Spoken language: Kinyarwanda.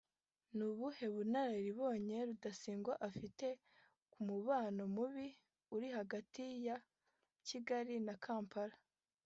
Ni ubuhe bunararibonye Rudasingwa afite ku mubano mubi uri hagati ya Kigali na Kampala